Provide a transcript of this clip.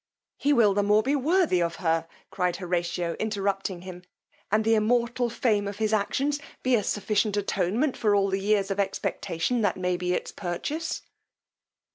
He will be the more worthy of her, cried Horatio interrupting him, and the immortal fame of his actions be a sufficient attonement for all the years of expectation that may be its purchase.